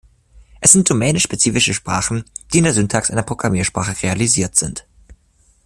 Es sind Domänenspezifische Sprachen, die in der Syntax einer Programmiersprache realisiert sind.